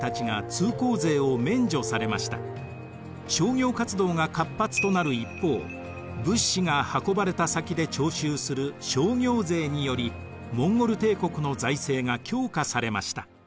商業活動が活発となる一方物資が運ばれた先で徴収する商業税によりモンゴル帝国の財政が強化されました。